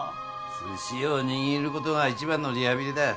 寿司を握る事が一番のリハビリだよ。